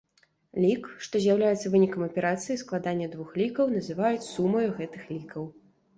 Лік, што з'яўляецца вынікам аперацыі складання двух лікаў, называецца сумаю гэтых лікаў.